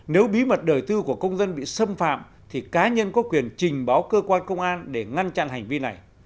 nếu bí mật đời tư của công dân bị xâm phạm thì cá nhân có quyền trình báo cơ quan công an để ngăn chặn hành vi này